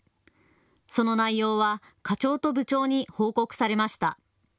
その内容は課長と部長に報告されました。